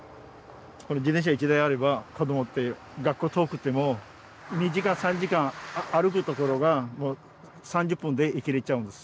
自転車１台あれば子供って学校遠くても２時間３時間歩くところが３０分で行けれちゃうんです。